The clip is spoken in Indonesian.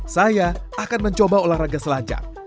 saya akan mencoba olahraga selancar